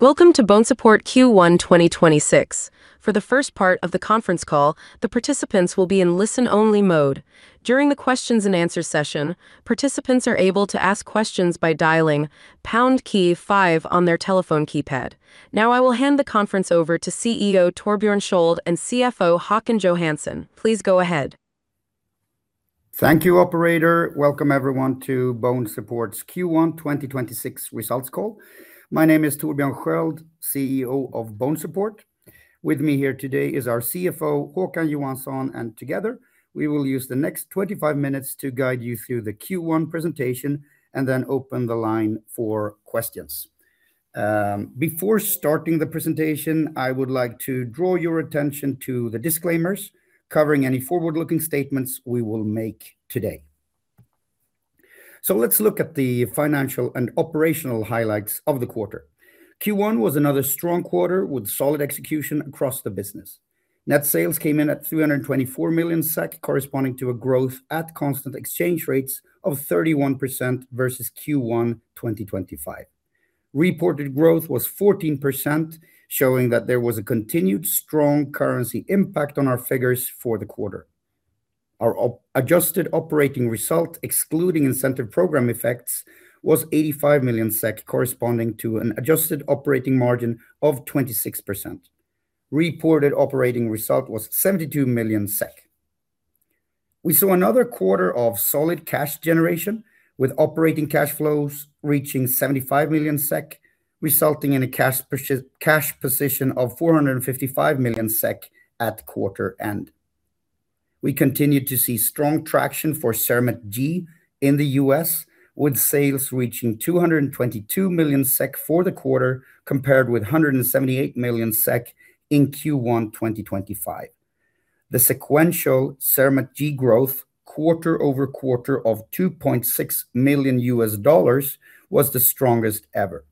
Welcome to BONESUPPORT Q1 2026. For the first part of the conference call, the participants will be in listen-only mode. During the questions and answers session, participants are able to ask questions by dialing pound key five on their telephone keypad. Now I will hand the conference over to CEO Torbjörn Sköld and CFO Håkan Johansson. Please go ahead. Thank you, operator. Welcome, everyone, to BONESUPPORT's Q1 2026 results call. My name is Torbjörn Sköld, CEO of BONESUPPORT. With me here today is our CFO, Håkan Johansson, and together we will use the next 25 minutes to guide you through the Q1 presentation and then open the line for questions. Before starting the presentation, I would like to draw your attention to the disclaimers covering any forward-looking statements we will make today. Let's look at the financial and operational highlights of the quarter. Q1 was another strong quarter with solid execution across the business. Net sales came in at 324 million SEK, corresponding to a growth at constant exchange rates of 31% versus Q1 2025. Reported growth was 14%, showing that there was a continued strong currency impact on our figures for the quarter. Our adjusted operating result, excluding incentive program effects, was 85 million SEK, corresponding to an adjusted operating margin of 26%. Reported operating result was 72 million SEK. We saw another quarter of solid cash generation, with operating cash flows reaching 75 million SEK, resulting in a cash position of 455 million SEK at quarter end. We continued to see strong traction for CERAMENT G in the U.S., with sales reaching 222 million SEK for the quarter, compared with 178 million SEK in Q1 2025. The sequential CERAMENT G growth quarter-over-quarter of $2.6 million was the strongest ever.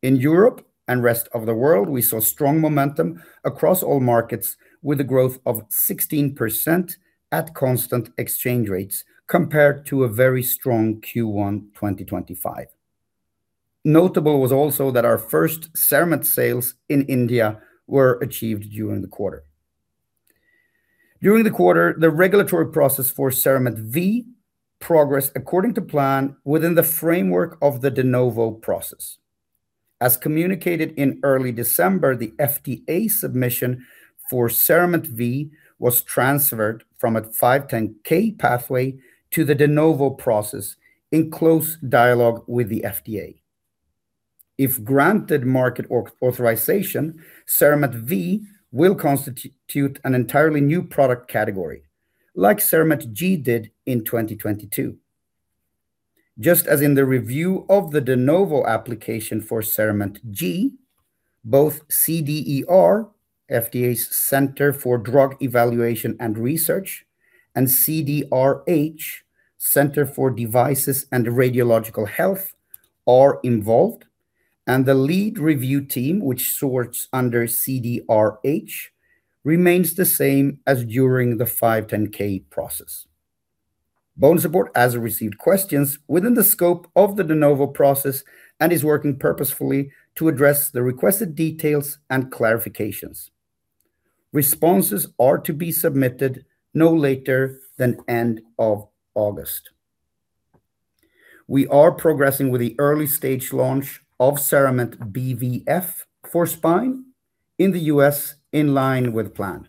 In Europe and rest of the world, we saw strong momentum across all markets, with a growth of 16% at constant exchange rates compared to a very strong Q1 2025. Notable was also that our first CERAMENT sales in India were achieved during the quarter. During the quarter, the regulatory process for CERAMENT V progressed according to plan within the framework of the De Novo process. As communicated in early December, the FDA submission for CERAMENT V was transferred from a 510(k) pathway to the De Novo process in close dialogue with the FDA. If granted market authorization, CERAMENT V will constitute an entirely new product category, like CERAMENT G did in 2022. Just as in the review of the De Novo application for CERAMENT G, both CDER, FDA's Center for Drug Evaluation and Research, and CDRH, Center for Devices and Radiological Health, are involved, and the lead review team, which sorts under CDRH, remains the same as during the 510(k) process. BONESUPPORT has received questions within the scope of the De Novo process and is working purposefully to address the requested details and clarifications. Responses are to be submitted no later than end of August. We are progressing with the early-stage launch of CERAMENT BVF for spine in the U.S. in line with plan.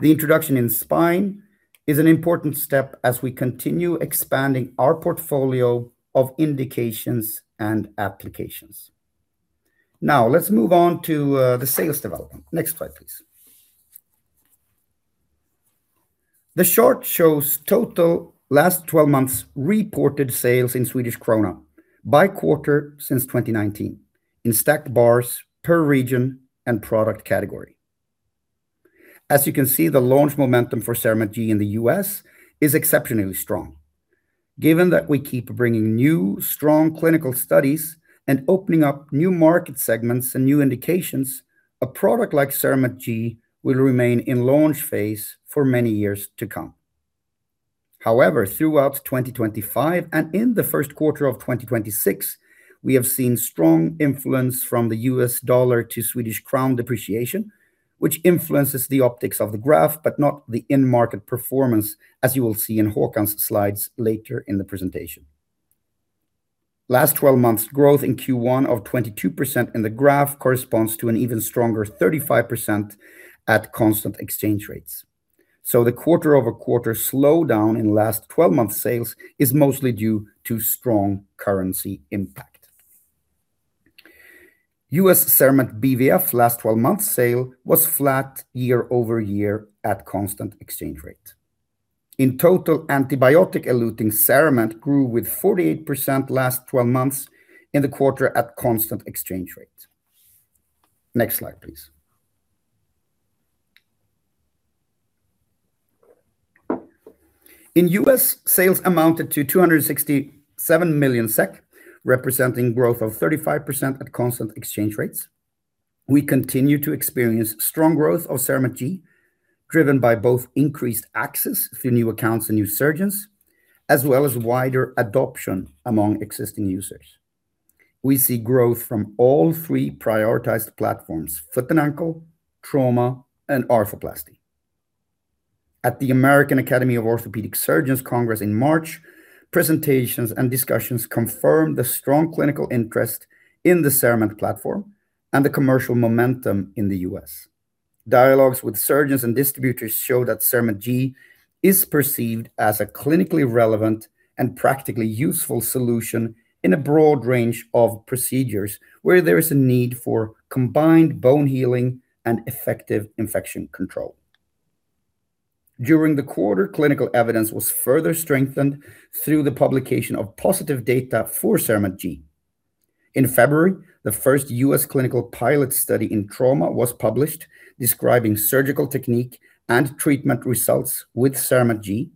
The introduction in spine is an important step as we continue expanding our portfolio of indications and applications. Now, let's move on to the sales development. Next slide, please. The chart shows total last 12 months reported sales in SEK by quarter since 2019 in stacked bars per region and product category. As you can see, the launch momentum for CERAMENT G in the U.S. is exceptionally strong. Given that we keep bringing new, strong clinical studies and opening up new market segments and new indications, a product like CERAMENT G will remain in launch phase for many years to come. However, throughout 2025 and in the first quarter of 2026, we have seen strong influence from the U.S. dollar to Swedish krona depreciation, which influences the optics of the graph, but not the end market performance, as you will see in Håkan's slides later in the presentation. Last 12 months growth in Q1 of 22% in the graph corresponds to an even stronger 35% at constant exchange rates. The quarter-over-quarter slowdown in last 12 months sales is mostly due to strong currency impact. U.S. CERAMENT BVF last 12 months sales was flat year-over-year at constant exchange rate. In total, antibiotic-eluting CERAMENT grew with 48% last 12 months in the quarter at constant exchange rate. Next slide, please. In the U.S., sales amounted to 267 million SEK, representing growth of 35% at constant exchange rates. We continue to experience strong growth of CERAMENT G, driven by both increased access through new accounts and new surgeons, as well as wider adoption among existing users. We see growth from all three prioritized platforms, foot and ankle, trauma, and arthroplasty. At the American Academy of Orthopaedic Surgeons Congress in March, presentations and discussions confirmed the strong clinical interest in the CERAMENT platform and the commercial momentum in the U.S. Dialogues with surgeons and distributors show that CERAMENT G is perceived as a clinically relevant and practically useful solution in a broad range of procedures where there is a need for combined bone healing and effective infection control. During the quarter, clinical evidence was further strengthened through the publication of positive data for CERAMENT G. In February, the first U.S. clinical pilot study in trauma was published describing surgical technique and treatment results with CERAMENT G.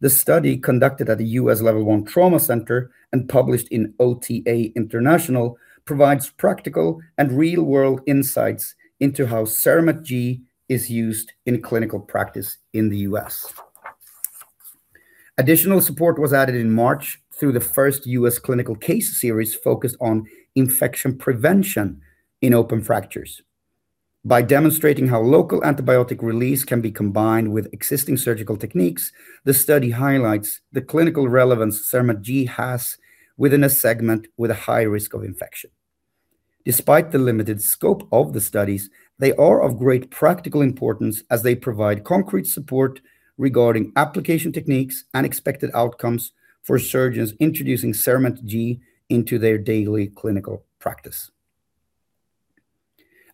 The study, conducted at a U.S. Level I trauma center and published in OTA International, provides practical and real-world insights into how CERAMENT G is used in clinical practice in the U.S. Additional support was added in March through the first U.S. clinical case series focused on infection prevention in open fractures. By demonstrating how local antibiotic release can be combined with existing surgical techniques, the study highlights the clinical relevance CERAMENT G has within a segment with a high risk of infection. Despite the limited scope of the studies, they are of great practical importance as they provide concrete support regarding application techniques and expected outcomes for surgeons introducing CERAMENT G into their daily clinical practice.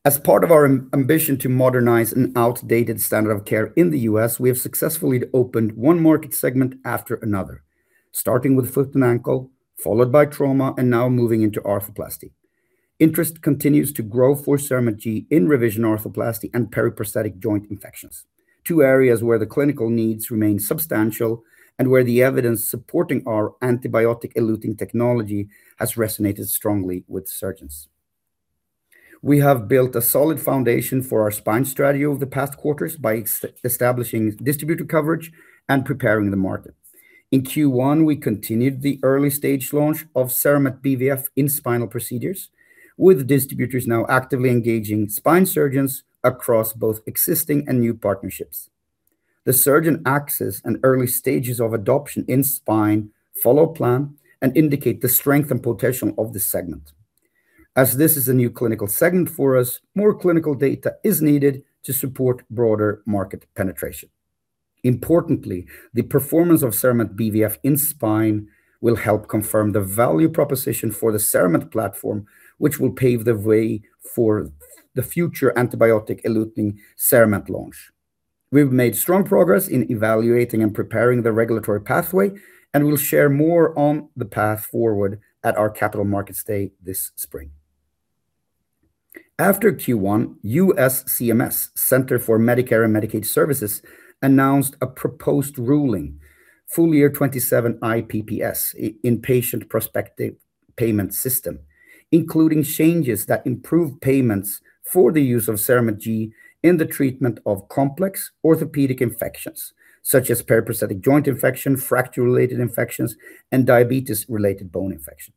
As part of our ambition to modernize an outdated standard of care in the U.S., we have successfully opened one market segment after another, starting with foot and ankle, followed by trauma, and now moving into arthroplasty. Interest continues to grow for CERAMENT G in revision arthroplasty and periprosthetic joint infections, two areas where the clinical needs remain substantial and where the evidence supporting our antibiotic eluting technology has resonated strongly with surgeons. We have built a solid foundation for our spine strategy over the past quarters by establishing distributor coverage and preparing the market. In Q1, we continued the early-stage launch of CERAMENT BVF in spinal procedures with distributors now actively engaging spine surgeons across both existing and new partnerships. The surgeon access and early stages of adoption in spine follow plan and indicate the strength and potential of this segment. As this is a new clinical segment for us, more clinical data is needed to support broader market penetration. Importantly, the performance of CERAMENT BVF in spine will help confirm the value proposition for the CERAMENT platform, which will pave the way for the future antibiotic eluting CERAMENT launch. We've made strong progress in evaluating and preparing the regulatory pathway, and we'll share more on the path forward at our Capital Markets Day this spring. After Q1, U.S. CMS, Centers for Medicare & Medicaid Services, announced a proposed ruling, FY 2027 IPPS, Inpatient Prospective Payment System, including changes that improve payments for the use of CERAMENT G in the treatment of complex orthopedic infections such as periprosthetic joint infection, fracture-related infections, and diabetes-related bone infection.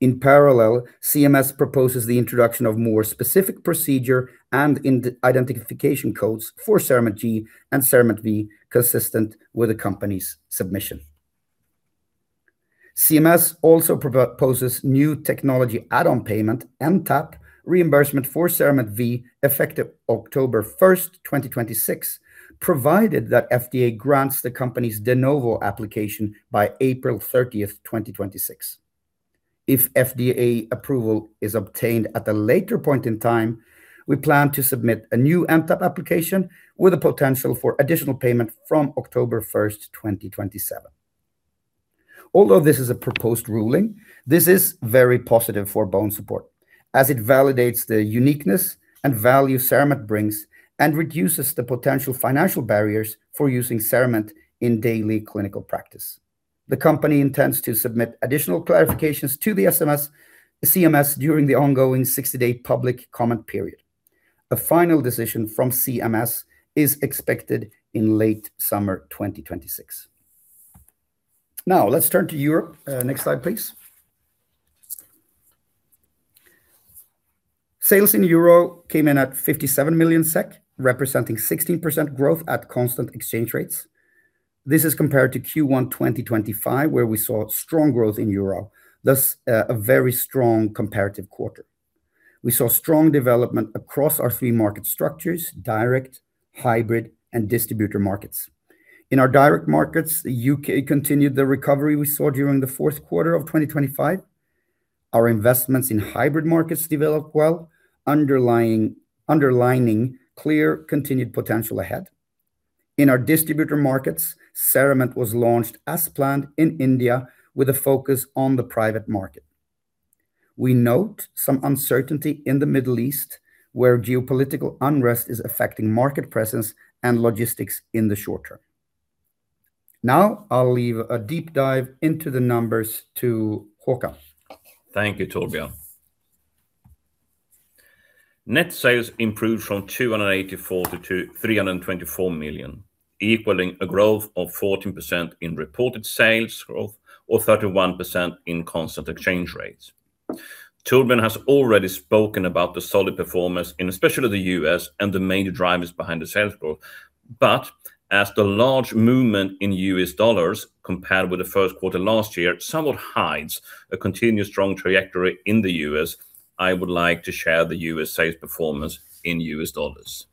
In parallel, CMS proposes the introduction of more specific procedure and identification codes for CERAMENT G and CERAMENT V consistent with the company's submission. CMS also proposes new technology add-on payment, NTAP, reimbursement for CERAMENT V effective October 1st, 2026, provided that FDA grants the company's De Novo application by April 30th, 2026. If FDA approval is obtained at a later point in time, we plan to submit a new NTAP application with the potential for additional payment from October 1st, 2027. Although this is a proposed ruling, this is very positive for BONESUPPORT as it validates the uniqueness and value CERAMENT brings and reduces the potential financial barriers for using CERAMENT in daily clinical practice. The company intends to submit additional clarifications to the CMS during the ongoing 60-day public comment period. A final decision from CMS is expected in late summer 2026. Now, let's turn to Europe. Next slide, please. Sales in Europe came in at 57 million SEK, representing 16% growth at constant exchange rates. This is compared to Q1 2025, where we saw strong growth in Europe, thus, a very strong comparative quarter. We saw strong development across our three market structures, direct, hybrid, and distributor markets. In our direct markets, the U.K. continued the recovery we saw during the fourth quarter of 2025. Our investments in hybrid markets developed well, underlining clear continued potential ahead. In our distributor markets, CERAMENT was launched as planned in India with a focus on the private market. We note some uncertainty in the Middle East, where geopolitical unrest is affecting market presence and logistics in the short term. Now I'll leave a deep dive into the numbers to Håkan. Thank you, Torbjörn. Net sales improved from 284 million to 324 million, equaling a growth of 14% in reported sales growth or 31% in constant exchange rates. Torbjörn has already spoken about the solid performance in especially the U.S. and the main drivers behind the sales growth. As the large movement in U.S. dollars compared with the first quarter last year somewhat hides a continuous strong trajectory in the U.S., I would like to share the U.S. sales performance in U.S. dollars.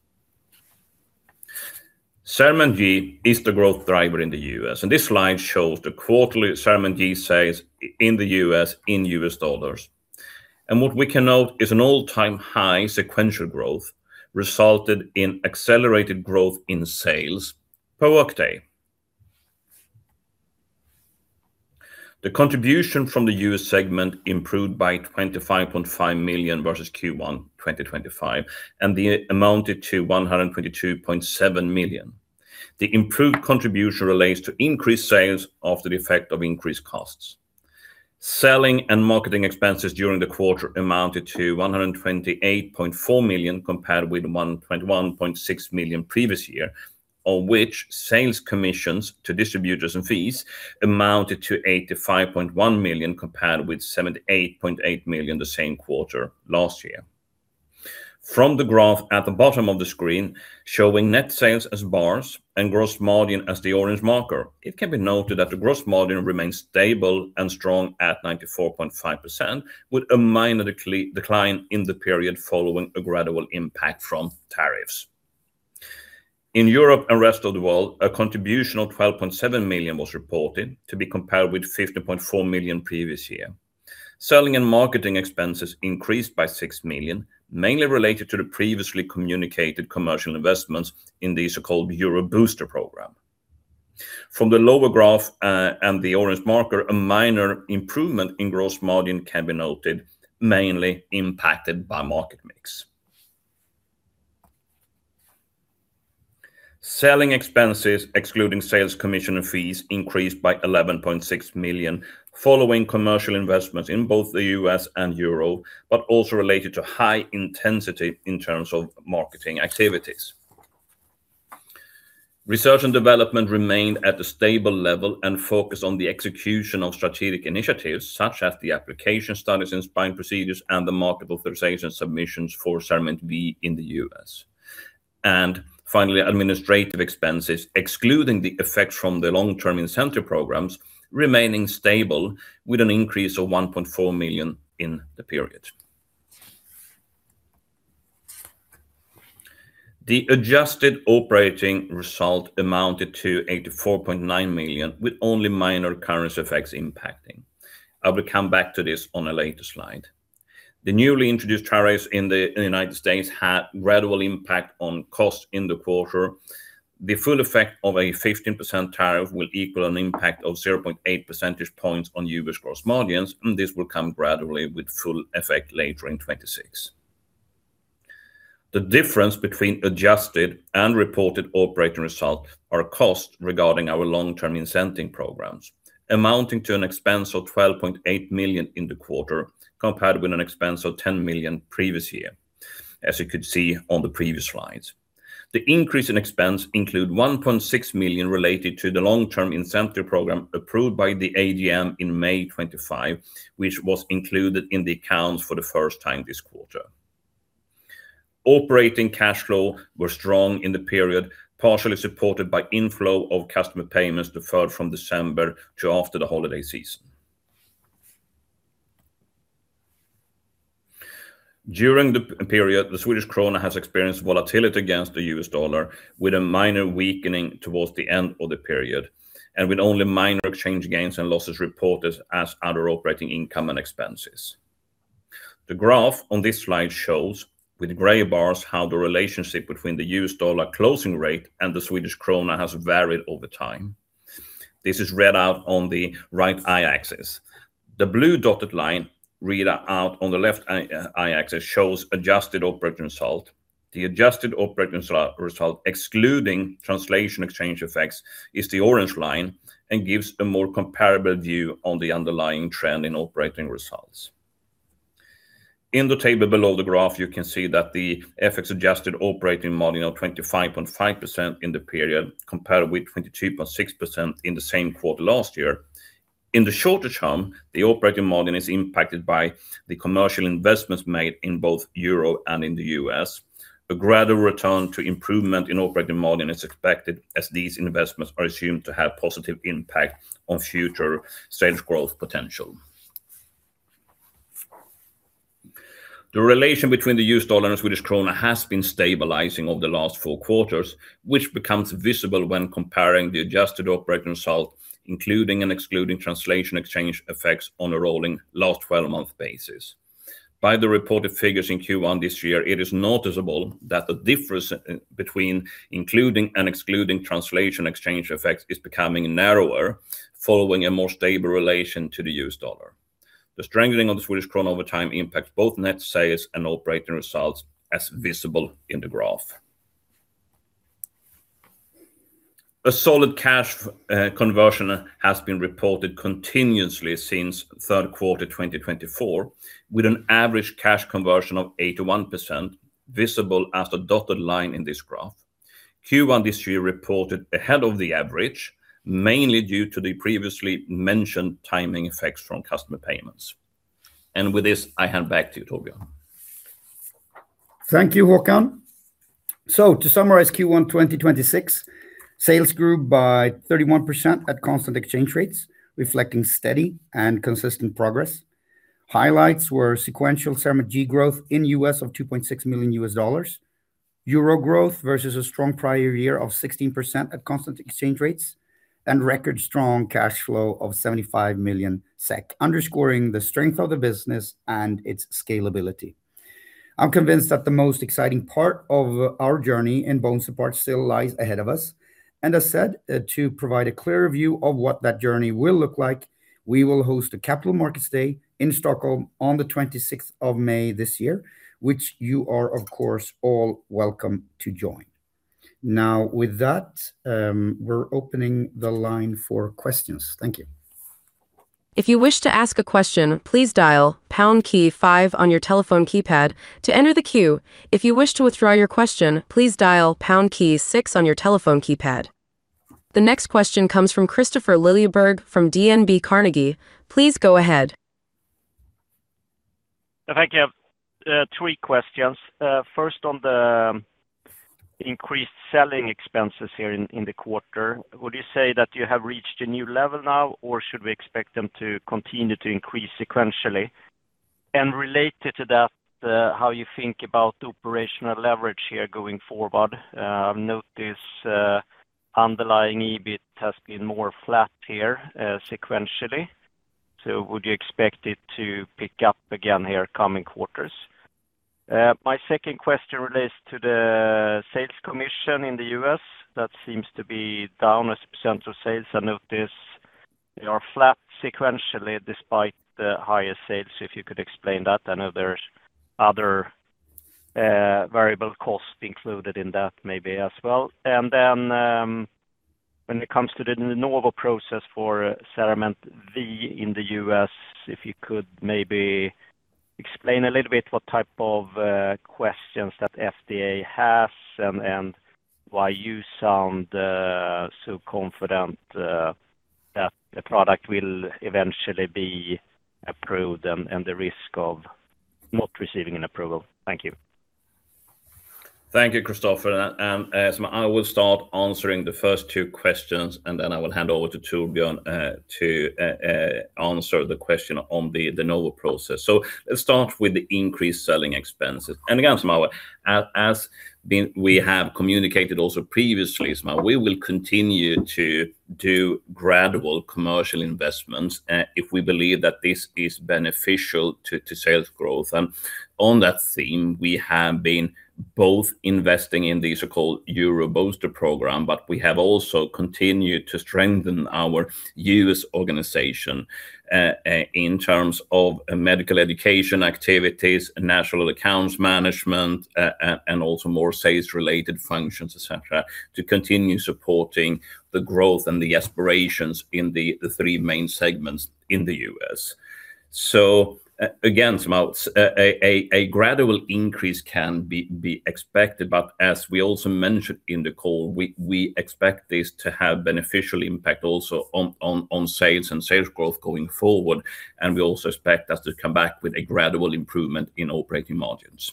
CERAMENT is the growth driver in the U.S., and this slide shows the quarterly CERAMENT sales in the U.S. in U.S. dollars. What we can note is an all-time high sequential growth resulted in accelerated growth in sales per work day. The contribution from the U.S. segment improved by $25.5 million versus Q1 2025, and amounted to $122.7 million. The improved contribution relates to increased sales after the effect of increased costs. Selling and marketing expenses during the quarter amounted to 128.4 million, compared with 121.6 million previous year, of which sales commissions to distributors and fees amounted to 85.1 million, compared with 78.8 million the same quarter last year. From the graph at the bottom of the screen, showing net sales as bars and gross margin as the orange marker, it can be noted that the gross margin remains stable and strong at 94.5%, with a minor decline in the period following a gradual impact from tariffs. In Europe and rest of the world, a contribution of 12.7 million was reported, to be compared with 15.4 million previous year. Selling and marketing expenses increased by 6 million, mainly related to the previously communicated commercial investments in the so-called EUROW Booster program. From the lower graph, and the orange marker, a minor improvement in gross margin can be noted, mainly impacted by market mix. Selling expenses, excluding sales commission and fees, increased by 11.6 million, following commercial investments in both the U.S. and Europe, but also related to high intensity in terms of marketing activities. Research and development remained at a stable level and focused on the execution of strategic initiatives, such as the application studies in spine procedures and the market authorization submissions for CERAMENT V in the U.S. Finally, administrative expenses, excluding the effects from the long-term incentive programs, remaining stable with an increase of 1.4 million in the period. The adjusted operating result amounted to 84.9 million, with only minor currency effects impacting. I will come back to this on a later slide. The newly introduced tariffs in the United States had gradual impact on costs in the quarter. The full effect of a 15% tariff will equal an impact of 0.8 percentage points on U.S. gross margins, and this will come gradually with full effect later in 2026. The difference between adjusted and reported operating results is costs regarding our long-term incentive programs, amounting to an expense of 12.8 million in the quarter, compared with an expense of 10 million previous year, as you could see on the previous slides. The increase in expense includes 1.6 million related to the long-term incentive program approved by the AGM in May 2025, which was included in the accounts for the first time this quarter. Operating cash flow was strong in the period, partially supported by inflow of customer payments deferred from December to after the holiday season. During the period, the Swedish krona has experienced volatility against the U.S. dollar, with a minor weakening towards the end of the period, and with only minor exchange gains and losses reported as other operating income and expenses. The graph on this slide shows, with gray bars, how the relationship between the U.S. dollar closing rate and the Swedish krona has varied over time. This is read out on the right y-axis. The blue dotted line read out on the left y-axis shows adjusted operating result. The adjusted operating result, excluding translation exchange effects, is the orange line and gives a more comparable view on the underlying trend in operating results. In the table below the graph, you can see that the FX adjusted operating margin of 25.5% in the period, compared with 22.6% in the same quarter last year. In the shorter term, the operating margin is impacted by the commercial investments made in both Europe and in the U.S. A gradual return to improvement in operating margin is expected as these investments are assumed to have positive impact on future sales growth potential. The relation between the U.S. dollar and Swedish krona has been stabilizing over the last four quarters, which becomes visible when comparing the adjusted operating result, including and excluding translation exchange effects on a rolling last 12-month basis. By the reported figures in Q1 this year, it is noticeable that the difference between including and excluding translation exchange effects is becoming narrower, following a more stable relation to the U.S. dollar. The strengthening of the Swedish krona over time impacts both net sales and operating results as visible in the graph. A solid cash conversion has been reported continuously since third quarter 2024, with an average cash conversion of 81%, visible as the dotted line in this graph. Q1 this year reported ahead of the average, mainly due to the previously mentioned timing effects from customer payments. With this, I hand back to you, Torbjörn. Thank you, Håkan. To summarize Q1 2026, sales grew by 31% at constant exchange rates, reflecting steady and consistent progress. Highlights were sequential CERAMENT G growth in the U.S. of $2.6 million. European growth versus a strong prior year of 16% at constant exchange rates, and record strong cash flow of 75 million SEK, underscoring the strength of the business and its scalability. I'm convinced that the most exciting part of our journey in BONESUPPORT still lies ahead of us. As said, to provide a clear view of what that journey will look like, we will host a Capital Markets Day in Stockholm on the 26th of May this year, which you are, of course, all welcome to join. Now with that, we're opening the line for questions. Thank you. If you wish to ask a question, please dial pound key five on your telephone keypad to enter the queue. If you wish to withdraw your question, please dial pound key six on your telephone keypad. The next question comes from Kristofer Liljeberg from DNB Carnegie. Please go ahead. Thank you. Three questions. First, on the increased selling expenses here in the quarter. Would you say that you have reached a new level now, or should we expect them to continue to increase sequentially? Related to that, how do you think about operational leverage here going forward? I've noticed underlying EBIT has been more flat here, sequentially. Would you expect it to pick up again in the coming quarters? My second question relates to the sales commission in the U.S. That seems to be down as a % of sales. I note that they are flat sequentially despite the higher sales. If you could explain that. I know there's other variable costs included in that maybe as well. When it comes to the De Novo process for CERAMENT V in the U.S., if you could maybe explain a little bit what type of questions that FDA has and why you sound so confident that the product will eventually be approved and the risk of not receiving an approval? Thank you. Thank you, Kristofer. I will start answering the first two questions, and then I will hand over to Torbjörn to answer the question on the De Novo process. Let's start with the increased selling expenses. Again, as we have communicated also previously, we will continue to do gradual commercial investments if we believe that this is beneficial to sales growth. On that theme, we have been both investing in the EUROW Booster program, but we have also continued to strengthen our U.S. organization in terms of medical education activities, national accounts management, and also more sales-related functions, et cetera, to continue supporting the growth and the aspirations in the three main segments in the U.S. Again, a gradual increase can be expected, but as we also mentioned in the call, we expect this to have beneficial impact also on sales and sales growth going forward. We also expect us to come back with a gradual improvement in operating margins.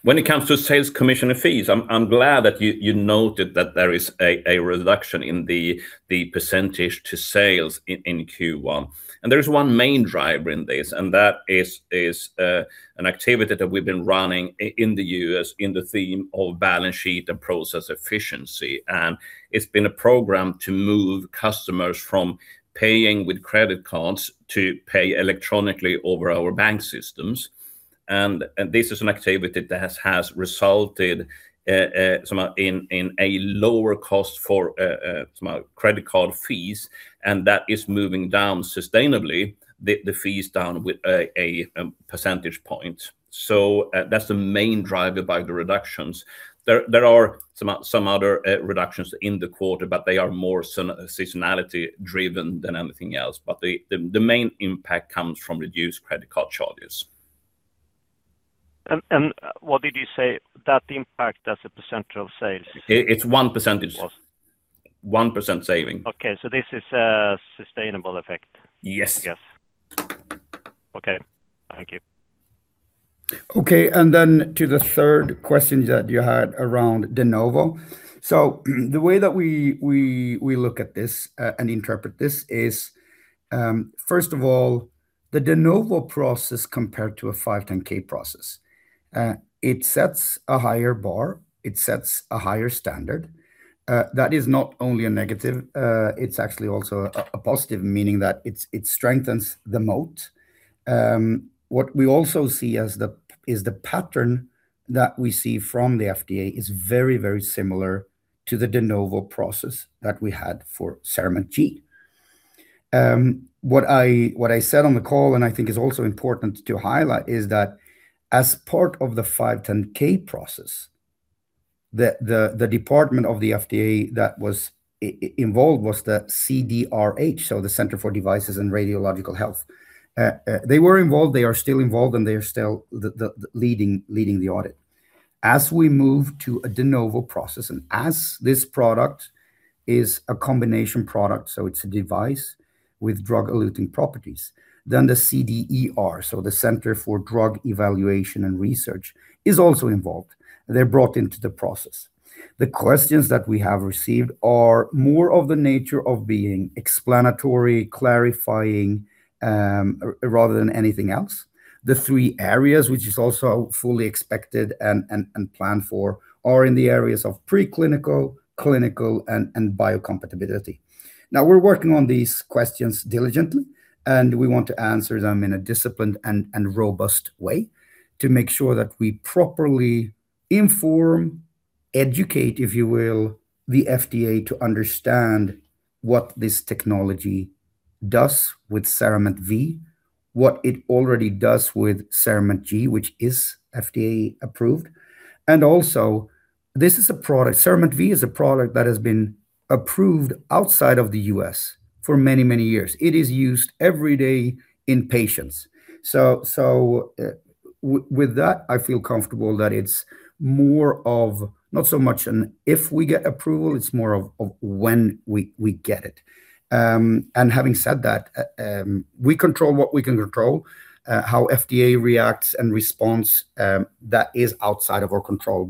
When it comes to sales commission fees, I'm glad that you noted that there is a reduction in the percentage to sales in Q1. There is one main driver in this, and that is an activity that we've been running in the U.S. in the theme of balance sheet and process efficiency. It's been a program to move customers from paying with credit cards to pay electronically over our bank systems. This is an activity that has resulted in a lower cost for credit card fees, and that is moving down sustainably the fees down by a percentage point. That's the main driver behind the reductions. There are some other reductions in the quarter, but they are more seasonality driven than anything else. The main impact comes from reduced credit card charges. What did you say that impact as a % of sales? It's 1%. 1% saving. Okay, this is a sustainable effect? Yes. Yes. Okay. Thank you. Okay, to the third question that you had around De Novo. The way that we look at this and interpret this is, first of all, the De Novo process compared to a 510(k) process. It sets a higher bar. It sets a higher standard. That is not only a negative, it's actually also a positive, meaning that it strengthens the moat. What we also see is the pattern that we see from the FDA is very similar to the De Novo process that we had for Cerament G. What I said on the call, and I think is also important to highlight, is that as part of the 510(k) process, the department of the FDA that was involved was the CDRH, so the Center for Devices and Radiological Health. They were involved, they are still involved, and they are still leading the audit. As we move to a De Novo process and as this product is a combination product, so it's a device with drug-eluting properties. The CDER, so the Center for Drug Evaluation and Research, is also involved. They're brought into the process. The questions that we have received are more of the nature of being explanatory, clarifying, rather than anything else. The three areas, which is also fully expected and planned for, are in the areas of preclinical, clinical, and biocompatibility. Now, we're working on these questions diligently, and we want to answer them in a disciplined and robust way to make sure that we properly inform, educate, if you will, the FDA to understand what this technology does with CERAMENT V, what it already does with CERAMENT G, which is FDA approved. Also, this is a product, CERAMENT V is a product that has been approved outside of the U.S. for many, many years. It is used every day in patients. With that, I feel comfortable that it's more of not so much an if we get approval, it's more of when we get it. Having said that, we control what we can control. How FDA reacts and responds, that is outside of our control.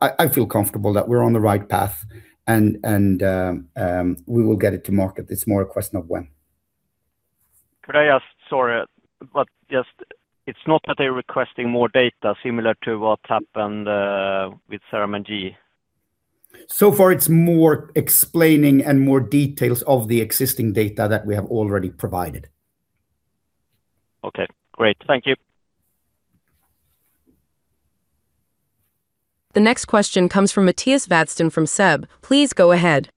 I feel comfortable that we're on the right path and we will get it to market. It's more a question of when. Could I ask, sorry, but just it's not that they're requesting more data similar to what happened with CERAMENT G? So far, it's more explaining and more details of the existing data that we have already provided. Okay, great. Thank you. The next question comes from Mattias Vadsten from SEB. Please go ahead.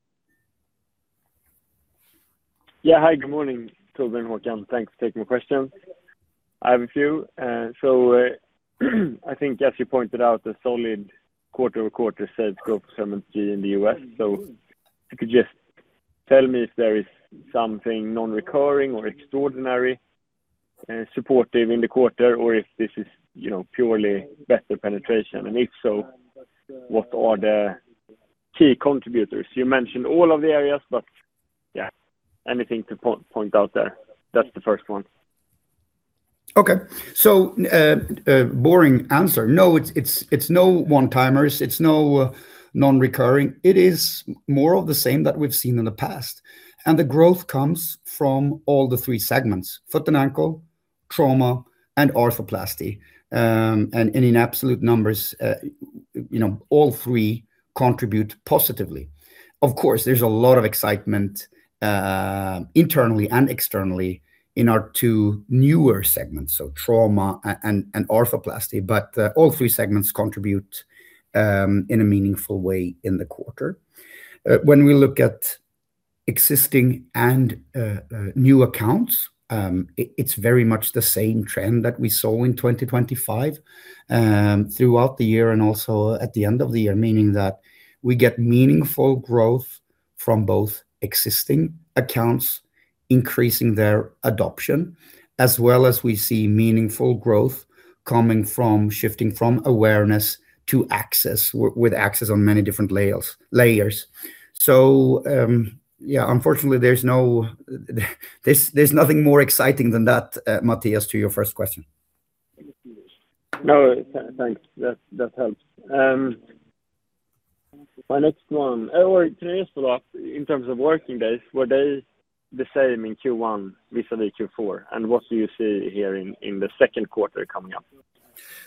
Yeah. Hi, good morning, Torbjörn, Håkan. Thanks for taking my question. I have a few. I think as you pointed out, a solid quarter-over-quarter sales growth for CERAMENT G in the U.S. If you could just tell me if there is something non-recurring or extraordinary supportive in the quarter or if this is purely better penetration. If so, what are the key contributors? You mentioned all of the areas, but yeah, anything to point out there? That's the first one. Okay. Boring answer. No, it's no one-timers, it's no non-recurring. It is more of the same that we've seen in the past. The growth comes from all three segments, foot and ankle, trauma, and arthroplasty. In absolute numbers, all three contribute positively. Of course, there's a lot of excitement internally and externally in our two newer segments, so trauma and arthroplasty. All three segments contribute in a meaningful way in the quarter. When we look at existing and new accounts, it's very much the same trend that we saw in 2025, throughout the year and also at the end of the year, meaning that we get meaningful growth from both existing accounts increasing their adoption, as well as we see meaningful growth coming from shifting from awareness to access, with access on many different layers. Yeah, unfortunately, there's nothing more exciting than that, Mattias, to your first question. No, thanks. That helps. My next one, or just in terms of working days, were they the same in Q1 vis-à-vis Q4? What do you see here in the second quarter coming up?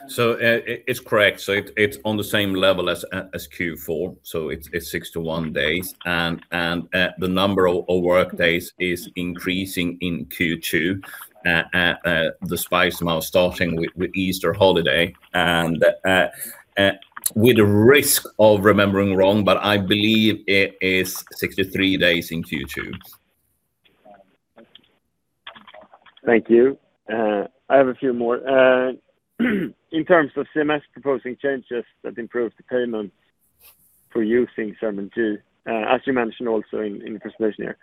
It's correct. It's on the same level as Q4, so it's 61 days. The number of workdays is increasing in Q2, despite some are starting with Easter holiday. With the risk of remembering wrong, but I believe it is 63 days in Q2. Thank you. I have a few more. In terms of CMS proposing changes that improve the payment for using CERAMENT G, as you mentioned also in the presentation here,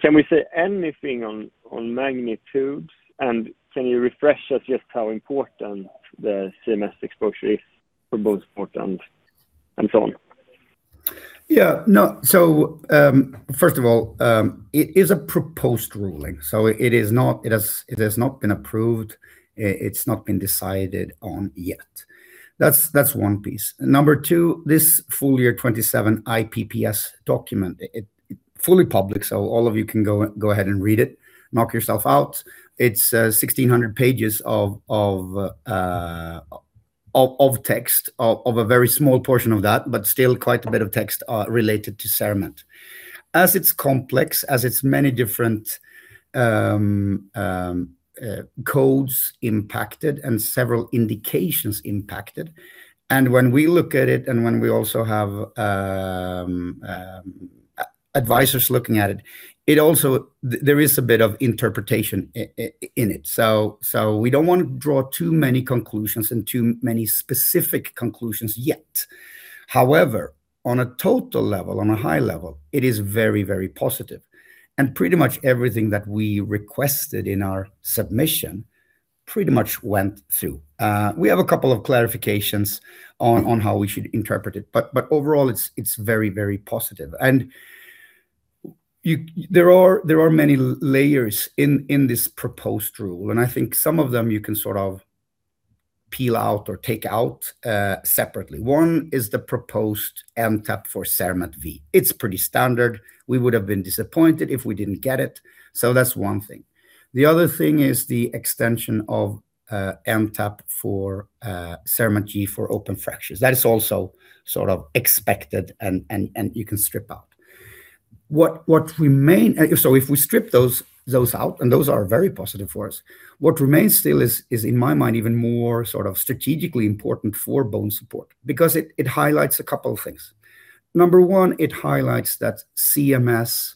can we say anything on magnitude, and can you refresh us just how important the CMS exposure is for both product and so on? Yeah. First of all, it is a proposed ruling, so it has not been approved. It's not been decided on yet. That's one piece. Number two, this full year 2027 IPPS document, it's fully public, so all of you can go ahead and read it. Knock yourself out. It's 1,600 pages of text, of a very small portion of that, but still quite a bit of text related to CERAMENT. As it's complex, many different codes impacted and several indications impacted. When we look at it and we also have advisors looking at it, there is a bit of interpretation in it. We don't want to draw too many conclusions and specific conclusions yet. However, on a total level, on a high level, it is very, very positive. Pretty much everything that we requested in our submission pretty much went through. We have a couple of clarifications on how we should interpret it, but overall it's very, very positive. There are many layers in this proposed rule, and I think some of them you can sort of peel out or take out separately. One is the proposed NTAP for CERAMENT V. It's pretty standard. We would have been disappointed if we didn't get it. That's one thing. The other thing is the extension of NTAP for CERAMENT G for open fractures. That is also sort of expected and you can strip out. If we strip those out, and those are very positive for us, what remains still is, in my mind, even more sort of strategically important for BONESUPPORT because it highlights a couple of things. Number one, it highlights that CMS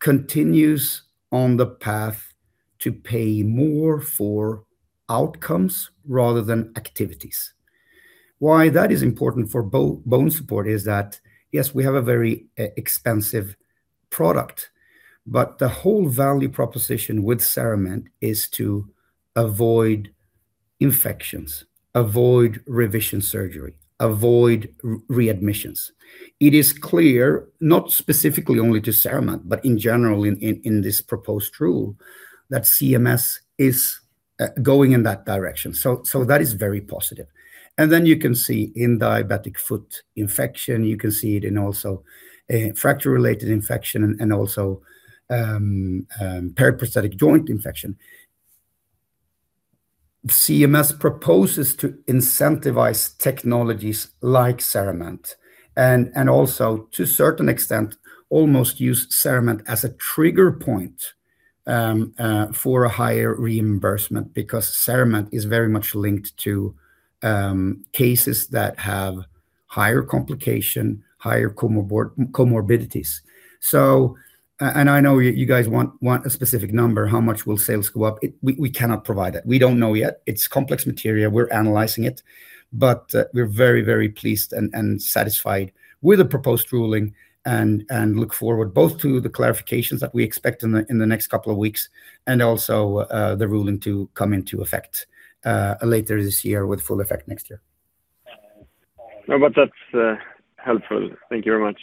continues on the path to pay more for outcomes rather than activities. Why that is important for BONESUPPORT is that, yes, we have a very expensive product, but the whole value proposition with CERAMENT is to avoid infections, avoid revision surgery, avoid readmissions. It is clear, not specifically only to CERAMENT, but in general in this proposed rule that CMS is going in that direction. That is very positive. Then you can see in diabetic foot infection, you can see it in also fracture-related infection and also periprosthetic joint infection. CMS proposes to incentivize technologies like CERAMENT and also to a certain extent, almost use CERAMENT as a trigger point for a higher reimbursement because CERAMENT is very much linked to cases that have higher complication, higher comorbidities. I know you guys want a specific number. How much will sales go up? We cannot provide that. We don't know yet. It's complex material. We're analyzing it, but we're very, very pleased and satisfied with the proposed ruling and look forward both to the clarifications that we expect in the next couple of weeks and also the ruling to come into effect later this year with full effect next year. No, but that's helpful. Thank you very much.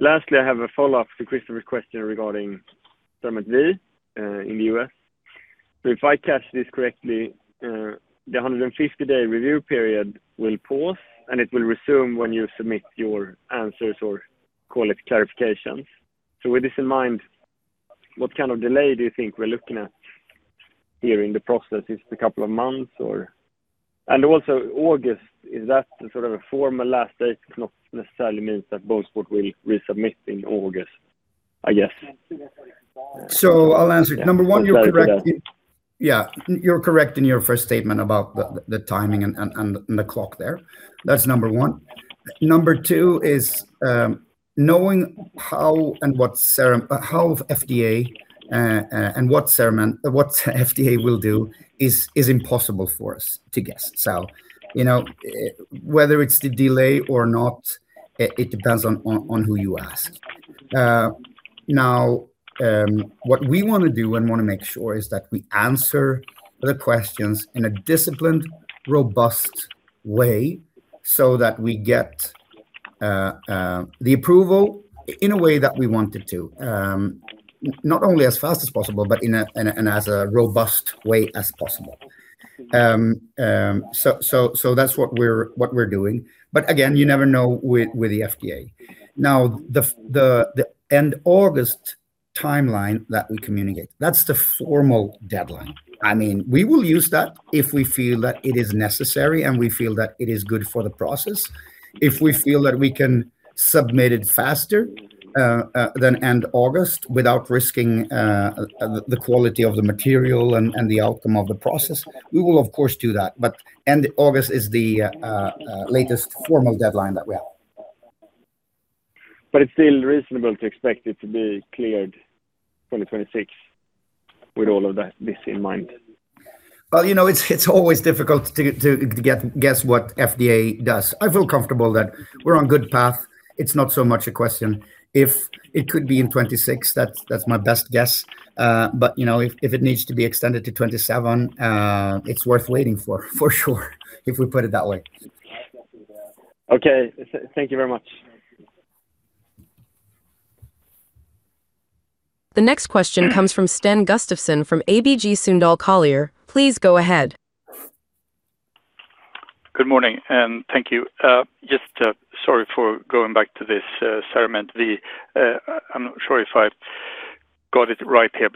Lastly, I have a follow-up to Kristofer's question regarding CERAMENT V in the U.S. If I catch this correctly, the 150-day review period will pause, and it will resume when you submit your answers or collect clarifications. With this in mind, what kind of delay do you think we're looking at here in the process? Is it a couple of months? August, is that the sort of a formal last date? It does not necessarily mean that BONESUPPORT will resubmit in August, I guess. I'll answer it. Number one, you're correct. Yeah, you're correct in your first statement about the timing and the clock there. That's number one. Number two is knowing how FDA and what FDA will do is impossible for us to guess. Whether it's the delay or not, it depends on who you ask. What we want to do and want to make sure is that we answer the questions in a disciplined, robust way so that we get the approval in a way that we want it to, not only as fast as possible, but in as a robust way as possible. That's what we're doing. Again, you never know with the FDA. The end August timeline that we communicate, that's the formal deadline. We will use that if we feel that it is necessary and we feel that it is good for the process. If we feel that we can submit it faster than end August without risking the quality of the material and the outcome of the process, we will of course do that. End August is the latest formal deadline that we have. It's still reasonable to expect it to be cleared 2026 with all of this in mind? Well, it's always difficult to guess what FDA does. I feel comfortable that we're on a good path. It's not so much a question if it could be in 2026. That's my best guess. If it needs to be extended to 2027, it's worth waiting for sure, if we put it that way. Okay. Thank you very much. The next question comes from Sten Gustafsson from ABG Sundal Collier. Please go ahead. Good morning, and thank you. Just sorry for going back to this CERAMENT V. I'm not sure if I got it right here.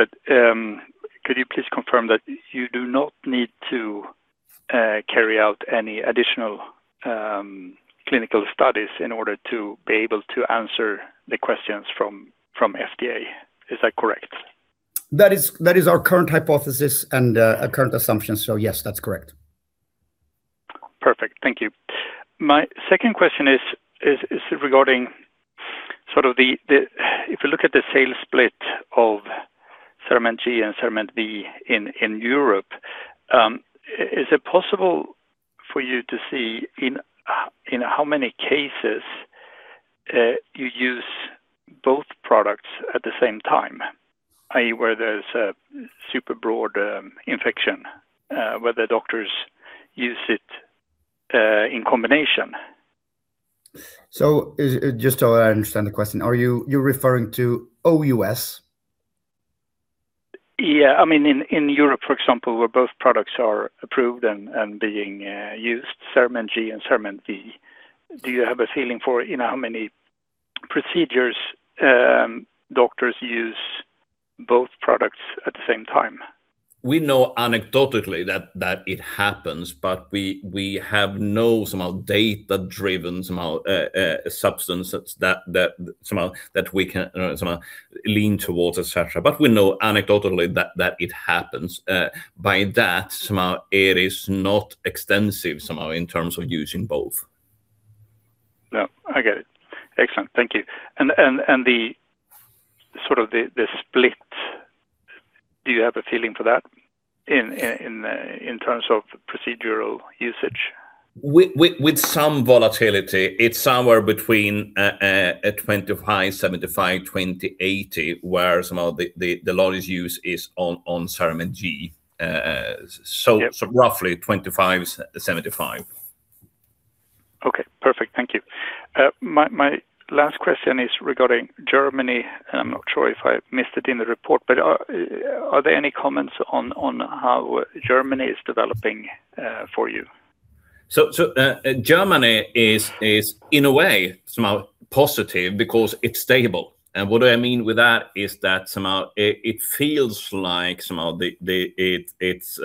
Could you please confirm that you do not need to carry out any additional clinical studies in order to be able to answer the questions from FDA? Is that correct? That is our current hypothesis and current assumption. Yes, that's correct. Perfect. Thank you. My second question is regarding sort of the, if you look at the sales split of CERAMENT G and CERAMENT BVF in Europe, is it possible for you to see in how many cases you use both products at the same time, i.e., where there's a super broad infection, where the doctors use it in combination? Just so that I understand the question. Are you referring to OUS? Yeah. In Europe, for example, where both products are approved and being used, CERAMENT G and CERAMENT BVF, do you have a feeling for in how many procedures doctors use both products at the same time? We know anecdotally that it happens, but we have no data-driven substance that we can lean towards, et cetera. We know anecdotally that it happens. By that it is not extensive in terms of using both. No, I get it. Excellent. Thank you. The sort of split, do you have a feeling for that in terms of procedural usage? With some volatility, it's somewhere between a 25/75, 20/80, where some of the largest use is on CERAMENT G. Yep. Roughly 25/75. Okay, perfect. Thank you. My last question is regarding Germany, and I'm not sure if I missed it in the report, but are there any comments on how Germany is developing for you? Germany is in a way somehow positive because it's stable. What do I mean with that is that somehow it feels like somehow it's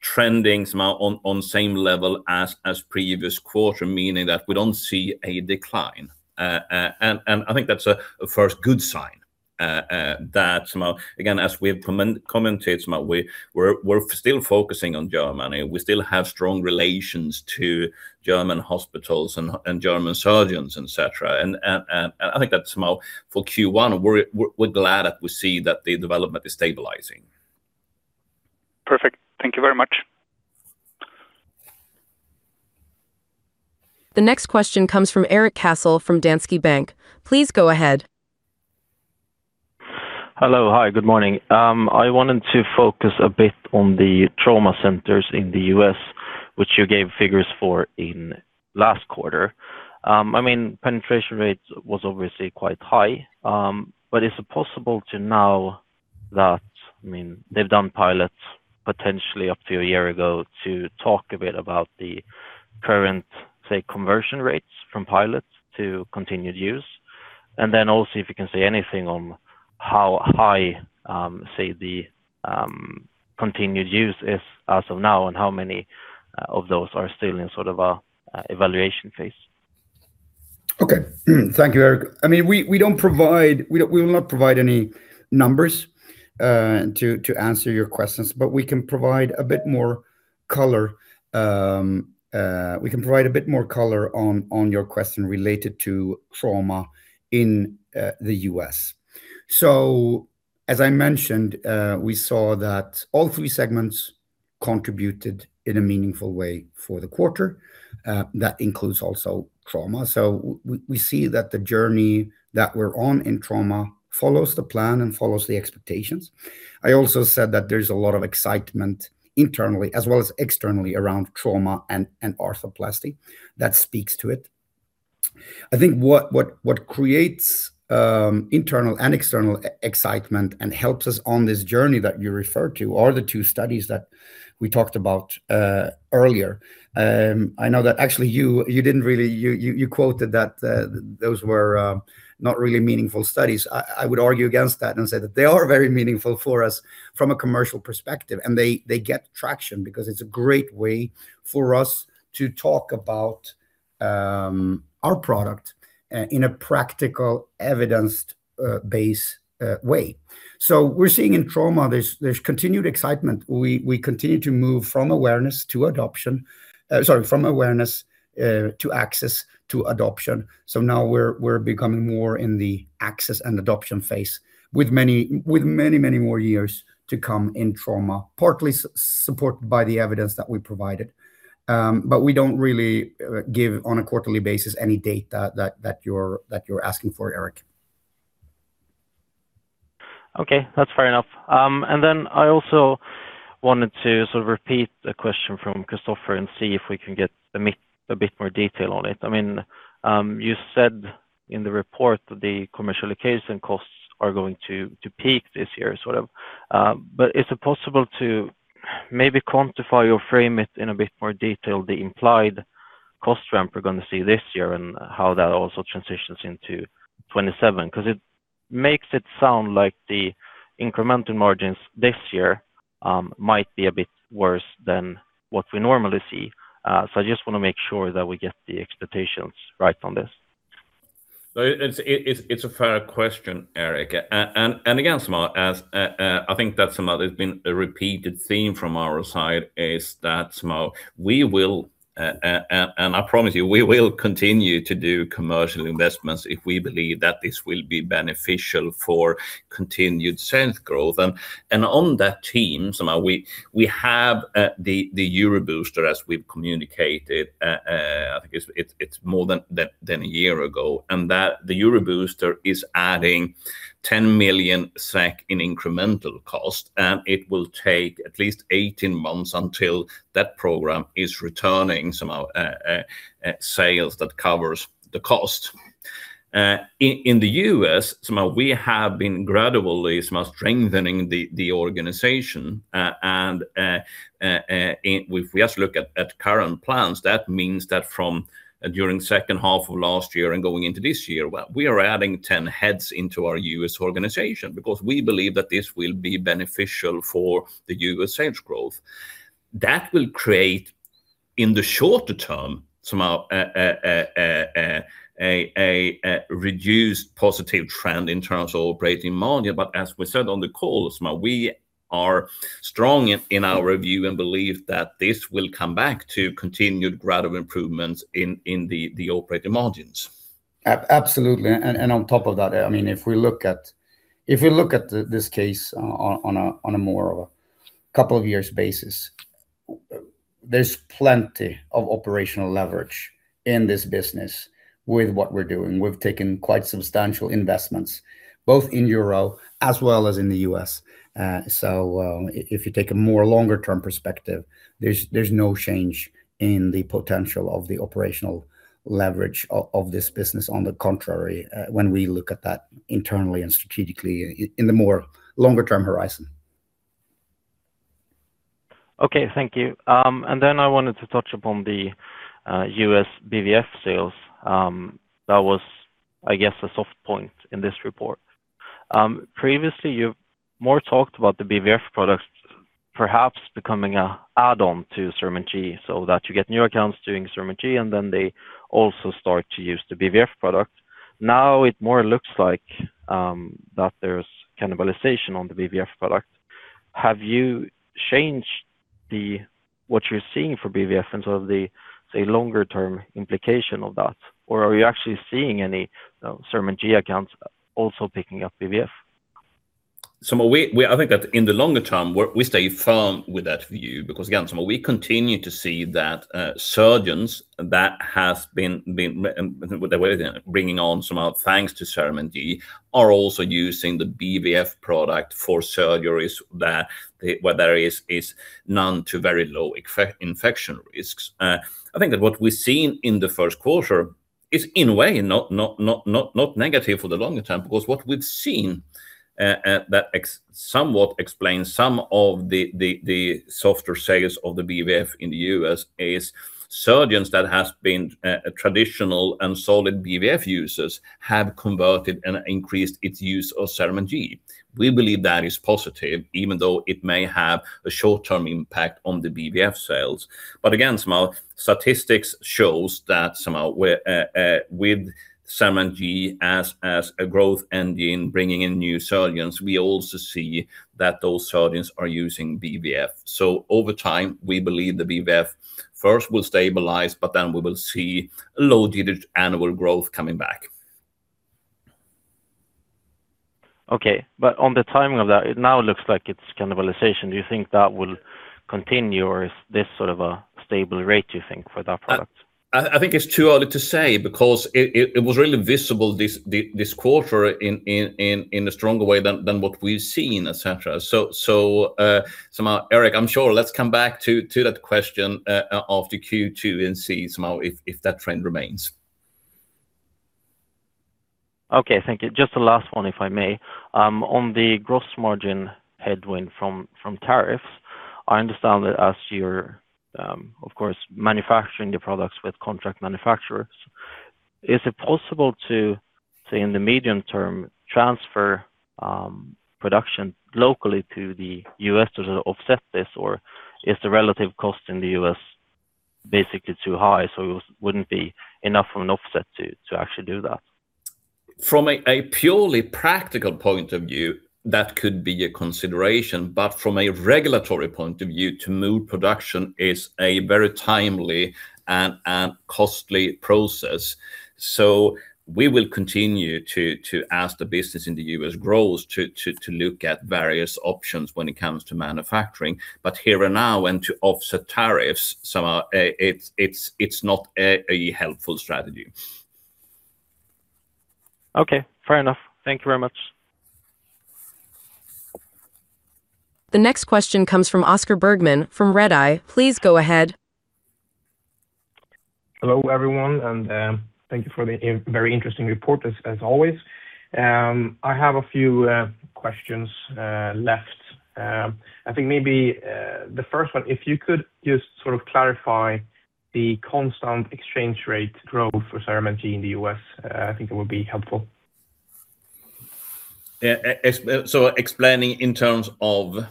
trending somehow on same level as previous quarter, meaning that we don't see a decline. I think that's a first good sign that somehow, again, as we have commented somehow, we're still focusing on Germany. We still have strong relations to German hospitals and German surgeons, et cetera. I think that somehow for Q1, we're glad that we see that the development is stabilizing. Perfect. Thank you very much. The next question comes from Erik Cassel from Danske Bank. Please go ahead. Hello. Hi, good morning. I wanted to focus a bit on the trauma centers in the U.S., which you gave figures for in last quarter. Penetration rates was obviously quite high. Is it possible to know that, they've done pilots potentially up to a year ago, to talk a bit about the current, say, conversion rates from pilots to continued use? Then also if you can say anything on how high say the continued use is as of now, and how many of those are still in sort of a evaluation phase. Okay. Thank you, Erik. We will not provide any numbers to answer your questions, but we can provide a bit more color on your question related to trauma in the U.S. As I mentioned, we saw that all three segments contributed in a meaningful way for the quarter. That includes also trauma. We see that the journey that we're on in trauma follows the plan and follows the expectations. I also said that there's a lot of excitement internally as well as externally around trauma and arthroplasty that speaks to it. I think what creates internal and external excitement and helps us on this journey that you refer to are the two studies that we talked about earlier. I know that actually, you quoted that those were not really meaningful studies. I would argue against that and say that they are very meaningful for us from a commercial perspective, and they get traction because it's a great way for us to talk about our product in a practical evidence-based way. We're seeing in trauma continued excitement. We continue to move from awareness to access to adoption. Now we're becoming more in the access and adoption phase with many more years to come in trauma, partly supported by the evidence that we provided. We don't really give on a quarterly basis any data that you're asking for, Erik. Okay, that's fair enough. I also wanted to sort of repeat a question from Kristofer and see if we can get a bit more detail on it. You said in the report that the commercialization costs are going to peak this year, sort of. Is it possible to maybe quantify or frame it in a bit more detail the implied cost ramp we're going to see this year and how that also transitions into 2027. Because it makes it sound like the incremental margins this year might be a bit worse than what we normally see. I just want to make sure that we get the expectations right on this. It's a fair question, Erik. Again, I think that's been a repeated theme from our side, is that we will, and I promise you, we will continue to do commercial investments if we believe that this will be beneficial for continued sales growth. On that theme, we have the EUROW Booster, as we've communicated, I think it's more than a year ago, and that the EUROW Booster is adding 10 million SEK in incremental cost, and it will take at least 18 months until that program is returning sales that covers the cost. In the U.S., we have been gradually strengthening the organization. If we just look at current plans, that means that from during second half of last year and going into this year, we are adding 10 heads into our U.S. organization because we believe that this will be beneficial for the U.S. sales growth. That will create, in the shorter term, a reduced positive trend in terms of operating margin. As we said on the call, we are strong in our view and believe that this will come back to continued gradual improvements in the operating margins. Absolutely. On top of that, if we look at this case on a more of a couple of years basis, there's plenty of operational leverage in this business with what we're doing. We've taken quite substantial investments both in Europe as well as in the U.S. If you take a more longer term perspective, there's no change in the potential of the operational leverage of this business. On the contrary, when we look at that internally and strategically in the more longer term horizon. Okay, thank you. I wanted to touch upon the U.S. BVF sales. That was, I guess, a soft point in this report. Previously, you've more talked about the BVF products perhaps becoming an add-on to CERAMENT G, so that you get new accounts doing CERAMENT G, and then they also start to use the BVF product. Now it more looks like that there's cannibalization on the BVF product. Have you changed what you're seeing for BVF in terms of the, say, longer term implication of that, or are we actually seeing any CERAMENT G accounts also picking up BVF? I think that in the longer-term, we stay firm with that view, because again, we continue to see that surgeons that have been brought on somehow, thanks to CERAMENT G, are also using the BVF product for surgeries where there is none to very low infection risks. I think that what we're seeing in the first quarter is in a way not negative for the longer-term, because what we've seen that somewhat explains some of the softer sales of the BVF in the U.S. is surgeons that has been traditional and solid BVF users have converted and increased its use of CERAMENT G. We believe that is positive, even though it may have a short-term impact on the BVF sales. Again, statistics shows that with CERAMENT G as a growth engine bringing in new surgeons, we also see that those surgeons are using BVF. Over time, we believe the BVF first will stabilize, but then we will see low single-digit annual growth coming back. Okay. On the timing of that, it now looks like it's cannibalization. Do you think that will continue, or is this sort of a stable rate, you think, for that product? I think it's too early to say because it was really visible this quarter in a stronger way than what we've seen, et cetera. Erik, I'm sure let's come back to that question after Q2 and see if that trend remains. Okay, thank you. Just the last one, if I may. On the gross margin headwind from tariffs, I understand that as you're, of course, manufacturing your products with contract manufacturers, is it possible to, say in the medium term, transfer production locally to the U.S. to sort of offset this? Or is the relative cost in the U.S. basically too high, so it wouldn't be enough of an offset to actually do that? From a purely practical point of view, that could be a consideration, but from a regulatory point of view, to move production is a very timely and costly process. We will continue to, as the business in the U.S. grows, to look at various options when it comes to manufacturing. Here and now and to offset tariffs, it's not a helpful strategy. Okay, fair enough. Thank you very much. The next question comes from Oscar Bergman from Redeye. Please go ahead. Hello, everyone, and thank you for the very interesting report as always. I have a few questions left. I think maybe the first one, if you could just sort of clarify the constant exchange rate growth for CERAMENT G in the U.S., I think it would be helpful. Explaining in terms of?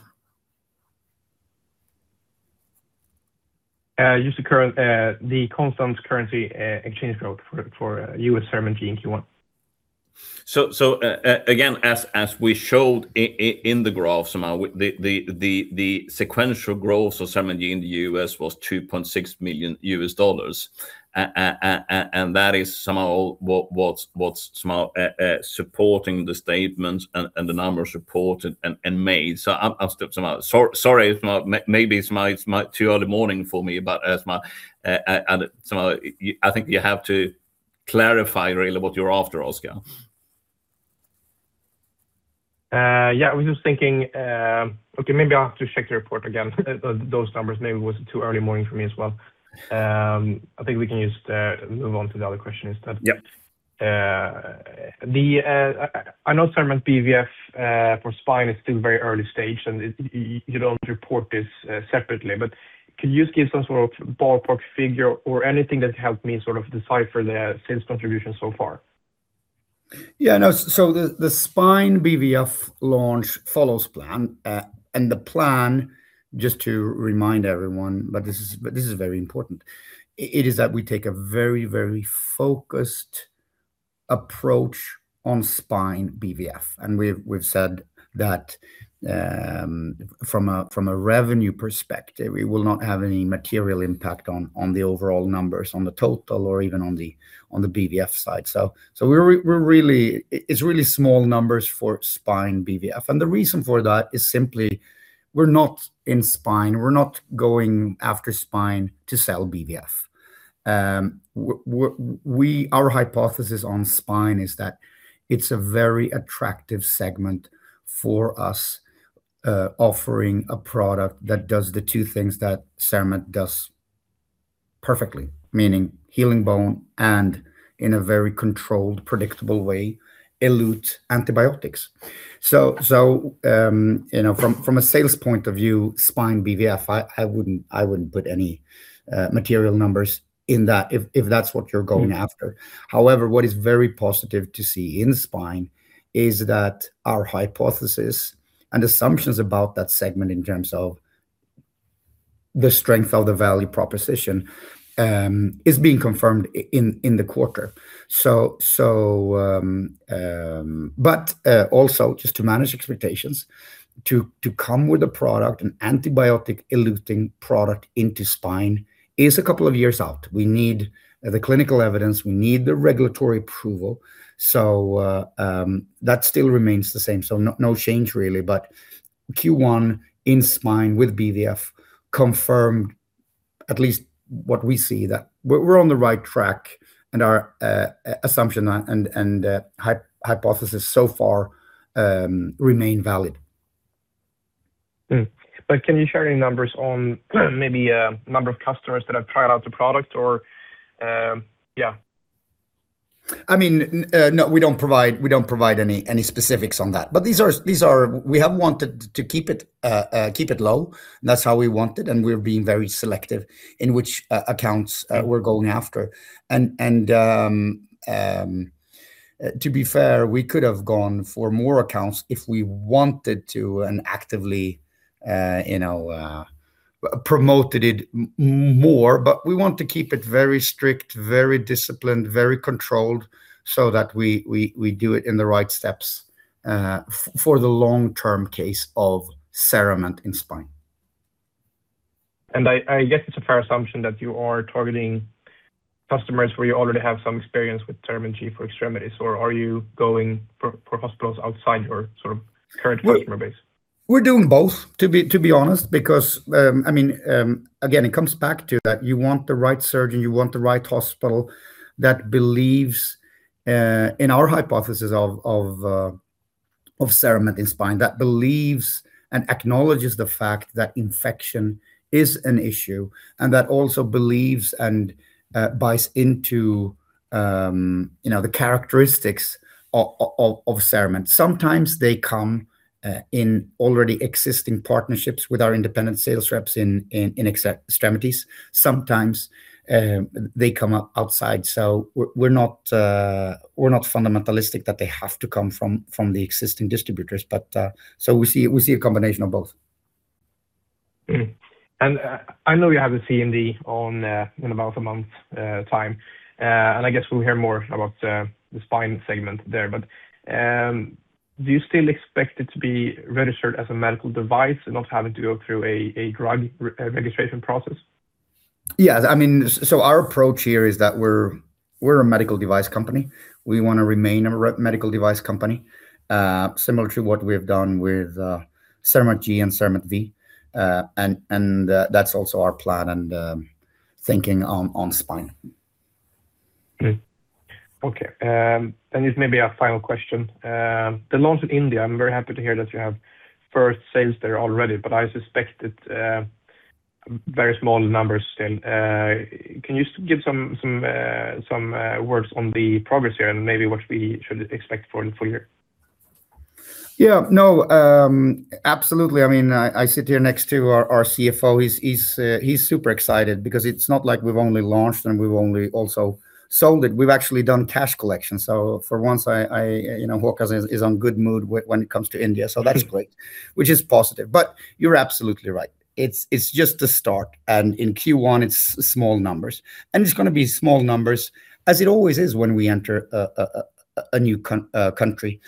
Just the constant currency exchange growth for U.S. CERAMENT G in Q1. Again, as we showed in the graph, Oscar, the sequential growth of CERAMENT G in the U.S. was $2.6 million. That is what's supporting the statements and the numbers reported in May. Sorry, maybe it's too early morning for me, but, Oscar, I think you have to clarify really what you're after, Oscar. Yeah, I was just thinking. Okay, maybe I'll have to check the report again, those numbers. Maybe it was too early morning for me as well. I think we can just move on to the other question instead. Yep. I know CERAMENT BVF for spine is still very early stage, and you don't report this separately, but can you just give some sort of ballpark figure or anything that helps me sort of decipher the sales contribution so far? Yeah. The Spine BVF launch follows plan. The plan, just to remind everyone, but this is very important, it is that we take a very focused approach on spine BVF. We've said that from a revenue perspective, it will not have any material impact on the overall numbers, on the total or even on the BVF side. It's really small numbers for spine BVF. The reason for that is simply we're not in spine, we're not going after spine to sell BVF. Our hypothesis on spine is that it's a very attractive segment for us, offering a product that does the two things that CERAMENT does perfectly. Meaning healing bone, and in a very controlled, predictable way, elutes antibiotics. From a sales point of view, spine BVF, I wouldn't put any material numbers in that if that's what you're going after. However, what is very positive to see in spine is that our hypothesis and assumptions about that segment in terms of the strength of the value proposition, is being confirmed in the quarter. Also just to manage expectations, to come with a product, an antibiotic eluting product into spine is a couple of years out. We need the clinical evidence, we need the regulatory approval. That still remains the same. No change really. Q1 in spine with BVF confirmed at least what we see, that we're on the right track and our assumption and hypothesis so far remain valid. Can you share any numbers on maybe number of customers that have tried out the product? Yeah. No, we don't provide any specifics on that. We have wanted to keep it low. That's how we want it. We're being very selective in which accounts we're going after. To be fair, we could have gone for more accounts if we wanted to and actively promoted it more. We want to keep it very strict, very disciplined, very controlled, so that we do it in the right steps for the long-term case of CERAMENT in spine. I guess it's a fair assumption that you are targeting customers where you already have some experience with CERAMENT G for extremities. Are you going for hospitals outside your sort of current customer base? We're doing both, to be honest, because again, it comes back to that you want the right surgeon, you want the right hospital that believes in our hypothesis of Cerament in spine, that believes and acknowledges the fact that infection is an issue, and that also believes and buys into the characteristics of Cerament. Sometimes they come in already existing partnerships with our independent sales reps in extremities. Sometimes they come outside. We're not fundamentalistic that they have to come from the existing distributors. We see a combination of both. I know you have a CMD in about a month's time. I guess we'll hear more about the spine segment there. Do you still expect it to be registered as a medical device and not having to go through a drug registration process? Yeah. Our approach here is that we're a medical device company. We want to remain a medical device company, similar to what we have done with CERAMENT G and CERAMENT V. That's also our plan and thinking on spine. Okay. Just maybe a final question. The launch in India, I'm very happy to hear that you have first sales there already, but I suspect it's very small numbers still. Can you just give some words on the progress here and maybe what we should expect for the full year? Yeah, no, absolutely. I sit here next to our CFO. He's super excited because it's not like we've only launched and we've only also sold it. We've actually done cash collection. For once, Håkan is in a good mood when it comes to India. That's great, which is positive. You're absolutely right. It's just the start. In Q1, it's small numbers, and it's going to be small numbers, as it always is when we enter a new country.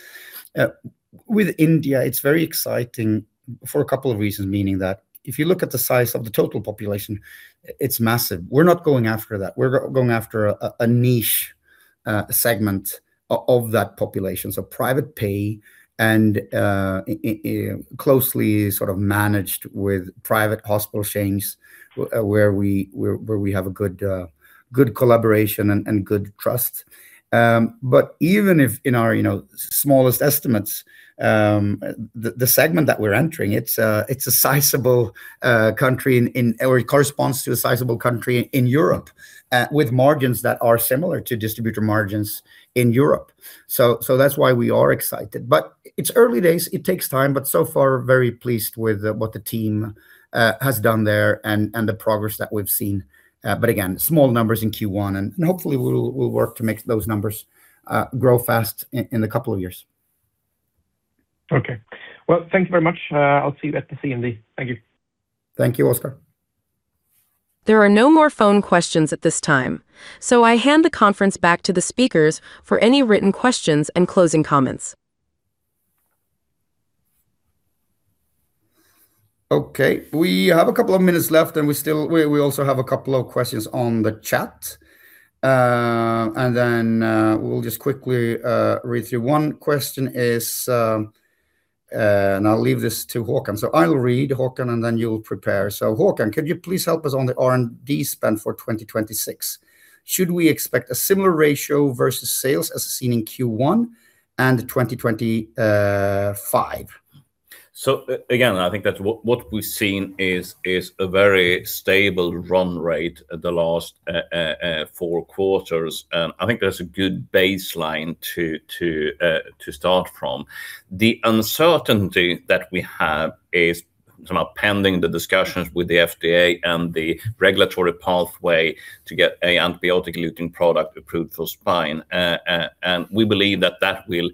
With India, it's very exciting for a couple of reasons, meaning that if you look at the size of the total population, it's massive. We're not going after that. We're going after a niche segment of that population. Private pay and closely sort of managed with private hospital chains where we have a good collaboration and good trust. Even if in our smallest estimates, the segment that we're entering, it corresponds to a sizable country in Europe, with margins that are similar to distributor margins in Europe. That's why we are excited. It's early days. It takes time. So far, very pleased with what the team has done there and the progress that we've seen. Again, small numbers in Q1, and hopefully we'll work to make those numbers grow fast in a couple of years. Okay. Well, thank you very much. I'll see you at the CMD. Thank you. Thank you, Oscar. There are no more phone questions at this time. I hand the conference back to the speakers for any written questions and closing comments. Okay. We have a couple of minutes left, and we also have a couple of questions on the chat. Then we'll just quickly read through. One question is, I'll leave this to Håkan. I'll read, Håkan, and then you'll prepare. Håkan, could you please help us on the R&D spend for 2026? Should we expect a similar ratio versus sales as seen in Q1 and 2025? I think that what we've seen is a very stable run rate the last four quarters. I think that's a good baseline to start from. The uncertainty that we have is sort of pending the discussions with the FDA and the regulatory pathway to get a antibiotic-eluting product approved for spine. We believe that that will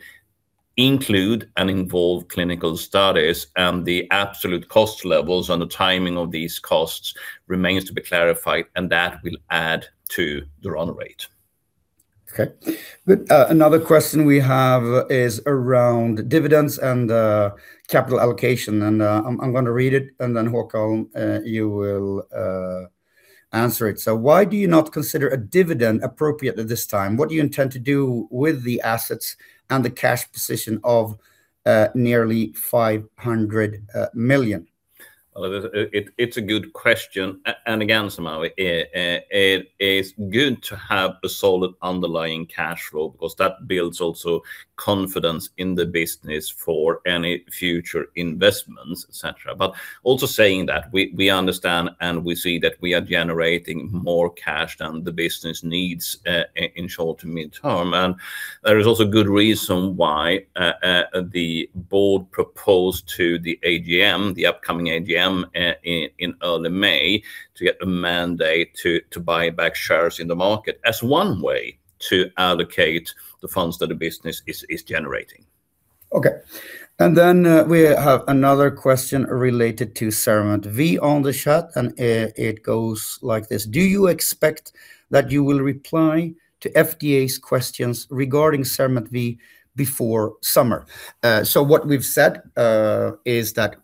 include and involve clinical studies, and the absolute cost levels and the timing of these costs remains to be clarified, and that will add to the run rate. Okay. Good. Another question we have is around dividends and capital allocation, and I'm going to read it, and then Håkan, you will answer it. Why do you not consider a dividend appropriate at this time? What do you intend to do with the assets and the cash position of nearly 500 million? Well, it's a good question. Again, it is good to have a solid underlying cash flow because that builds also confidence in the business for any future investments, et cetera. Also saying that, we understand and we see that we are generating more cash than the business needs in short to mid-term. There is also good reason why the board proposed to the AGM, the upcoming AGM in early May to get a mandate to buy back shares in the market as one way to allocate the funds that the business is generating. Okay. Then we have another question related to CERAMENT V on the chat, and it goes like this: Do you expect that you will reply to FDA's questions regarding CERAMENT V before summer? What we've said is that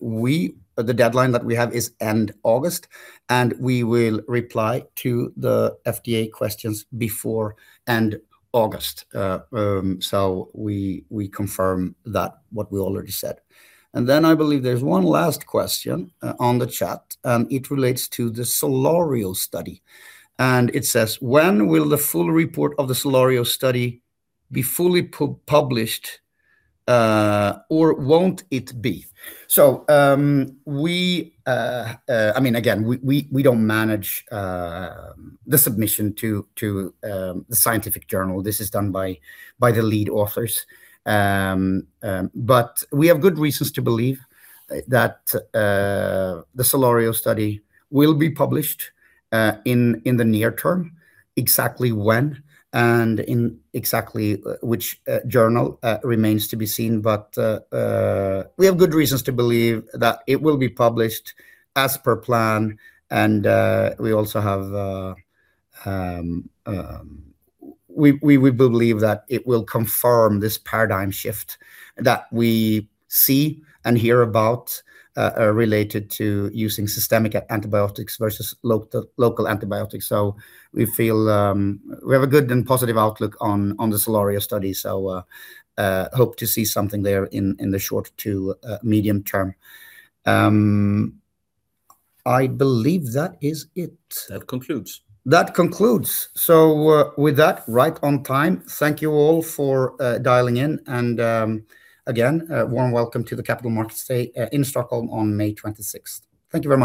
the deadline that we have is end August, and we will reply to the FDA questions before end August. We confirm that what we already said. Then I believe there's one last question on the chat. It relates to the SOLARIO study. It says: When will the full report of the SOLARIO study be fully published or won't it be? Again, we don't manage the submission to the scientific journal. This is done by the lead authors. We have good reasons to believe that the SOLARIO study will be published in the near term. Exactly when and in exactly which journal remains to be seen. We have good reasons to believe that it will be published as per plan, and we believe that it will confirm this paradigm shift that we see and hear about related to using systemic antibiotics versus local antibiotics. We have a good and positive outlook on the SOLARIO study. Hope to see something there in the short to medium term. I believe that is it. That concludes. That concludes. With that, right on time. Thank you all for dialing in. Again, warm welcome to the Capital Markets Day in Stockholm on May 26th. Thank you very much.